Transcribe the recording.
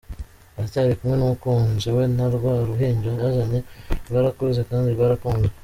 Aracyari kumwe n’umukunzi we na rwa ruhinja yazanye rwarakuze kandi rwarakunzwe!